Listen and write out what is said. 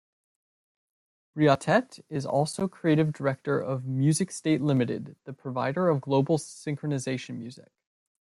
Briottet is also creative director of Musicstate Limited, the provider of global synchronisation music.